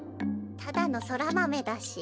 ただのソラマメだし。